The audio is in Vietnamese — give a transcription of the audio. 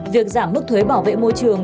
việc giảm mức thuế bảo vệ môi trường